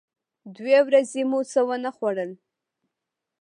دوې ورځې مو څه و نه خوړل.